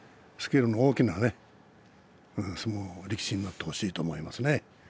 スケールの大きな相撲、力士になってほしいと思いますね。